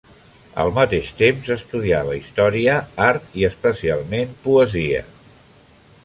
Al mateix temps, estudiava història, art i, especialment, poesia.